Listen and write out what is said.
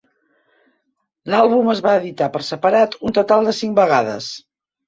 L'àlbum es va editar per separat un total de cinc vegades.